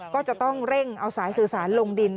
ก็จะต้องเร่งเอาสายสื่อสารลงดิน